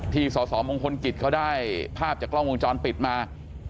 สสมงคลกิจเขาได้ภาพจากกล้องวงจรปิดมา